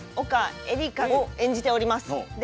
丘えりかを演じております。